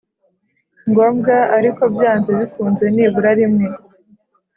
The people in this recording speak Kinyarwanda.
ngombwa ariko byanze bikunze nibura rimwe